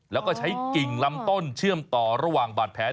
แล้วก็ใช้กิ่งลำต้นเชื่อมต่อระหว่างบาดแผล